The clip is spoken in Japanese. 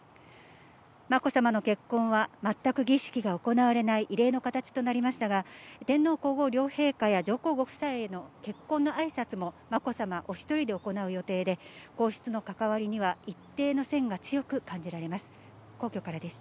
まこさまの結婚は、全く儀式が行われない異例の形となりましたが、天皇皇后両陛下や、上皇ご夫妻への結婚のあいさつも、まこさまお１人で行う予定で、皇室の関わりには一定の線が強く感じられます。